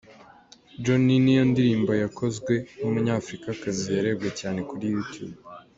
Johnny, niyo ndirimbo yakozwe n’Umunyafurikakazi yarebwe cyane kuri YouTube.